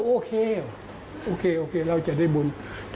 โอเคเราจะได้บุญ